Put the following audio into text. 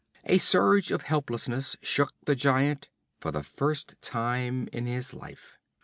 A surge of helplessness shook the giant, for the first time in his life.